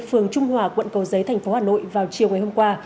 phường trung hòa quận cầu giấy thành phố hà nội vào chiều ngày hôm qua